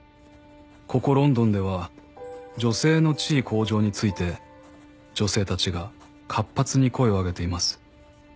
「ここロンドンでは女性の地位向上について女性達が活発に声を上げています」